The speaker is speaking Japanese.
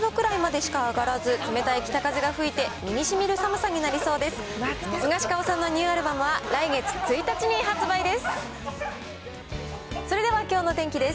スガシカオさんのニューアルバムは、来月１日に発売です。